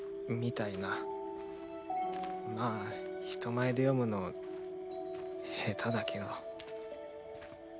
まあ人前で詠むの下手だけど。